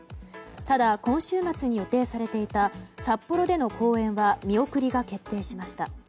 ただ、今週末に予定されていた札幌での公演は見送りが決定しました。